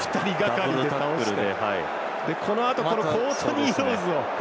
このあと、コートニー・ローズを。